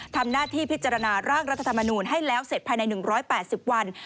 ทำหน้าที่พิจารณาร่างรัฐธรรมนูลให้แล้วเสร็จภายใน๑๘๐วัน